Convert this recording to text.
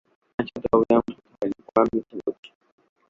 না ছোটবাবু, এমন কথা হয়নি, পরাণ মিছে বলেছে।